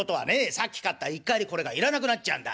さっき買った一荷入りこれがいらなくなっちゃうんだねえ。